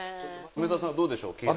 梅沢さんはどうでしょう？